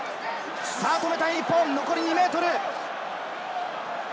止めたい日本残り２ｍ。